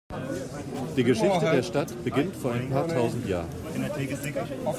Die Geschichte der Stadt beginnt vor ein paar tausend Jahren.